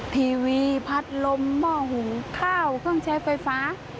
ทีวีพัดลมหม้อหุงข้าวเครื่องใช้ไฟฟ้า